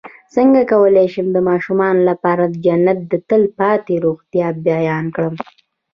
څنګه کولی شم د ماشومانو لپاره د جنت د تل پاتې روغتیا بیان کړم